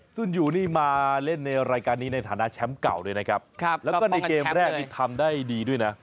ซึ่งอยู่นี่มาเล่นในรายการนี้ในฐานะแชมป์เก่าด้วยนะครับแล้วก็ในเกมแรกนี่ทำได้ดีด้วยนะ